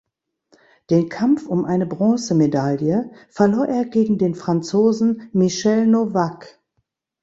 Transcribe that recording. Den Kampf um eine Bronzemedaille verlor er gegen den Franzosen Michel Nowak.